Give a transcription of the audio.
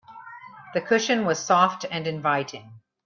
The cushion was soft and inviting.